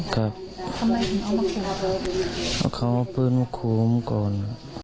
เขาล้มมัวกูมก่อน